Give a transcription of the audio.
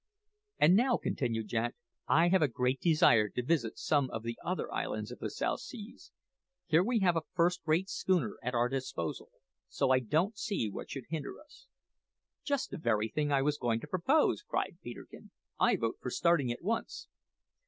"And now," continued Jack, "I have a great desire to visit some of the other islands of the South Seas. Here we have a first rate schooner at our disposal, so I don't see what should hinder us." "Just the very thing I was going to propose!" cried Peterkin. "I vote for starting at once."